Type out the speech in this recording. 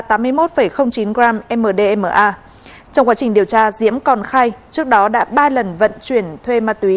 trong quá trình điều tra diễm còn khai trước đó đã ba lần vận chuyển thuê ma túy